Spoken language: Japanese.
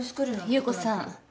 侑子さん。